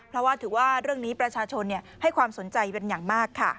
เพราะว่าถือว่าเรื่องนี้ประชาชนให้ความสนใจเป็นอย่างมากค่ะ